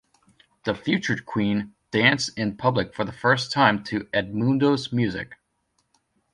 The future queen danced in public for the first time to Edmundo's music.